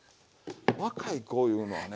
若い子いうのはね